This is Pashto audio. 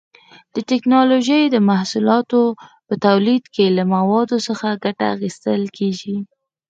د ټېکنالوجۍ د محصولاتو په تولید کې له موادو څخه ګټه اخیستل کېږي.